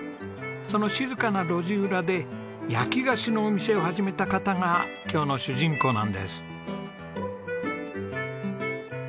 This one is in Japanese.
その静かな路地裏で焼き菓子のお店を始めた方が今日の主人公なんです。